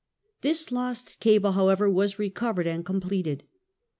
This lost cable, however, was recovered and completed.